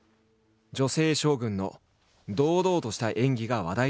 女性将軍の堂々とした演技が話題となった。